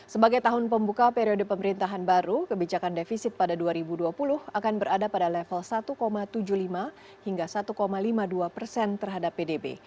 sebagai tahun pembuka periode pemerintahan baru kebijakan defisit pada dua ribu dua puluh akan berada pada level satu tujuh puluh lima hingga satu lima puluh dua persen terhadap pdb